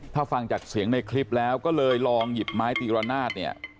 ถ้าฟังจากเสียงในคลิปแล้วก็เลยลองหยิบไม้ตีระนาดเนี่ย